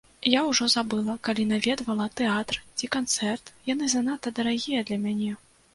Я ўжо забыла, калі наведвала тэатр ці канцэрт, яны занадта дарагія для мяне.